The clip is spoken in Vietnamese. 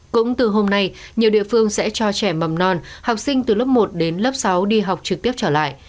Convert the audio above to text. cũng từ hôm nay nhiều địa phương sẽ cho trẻ mầm non học sinh từ lớp một đến lớp sáu đi học trực tiếp trở lại